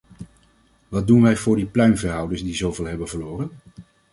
Wat doen wij voor die pluimveehouders die zoveel hebben verloren?